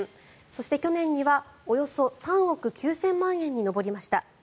そして去年にはおよそ３億９０００万円に上りました。